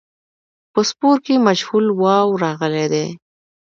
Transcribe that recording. په سپور کې مجهول واو راغلی دی.